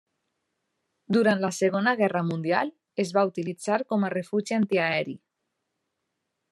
Durant la Segona Guerra Mundial es va utilitzar com a refugi antiaeri.